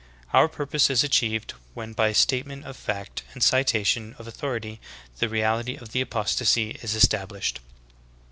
Our pur pose is achieved when by statement of fact and citation of authority, the reality of the apostasy is established.